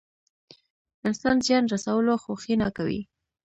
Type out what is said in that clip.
انسان زيان رسولو خوښي نه کوي.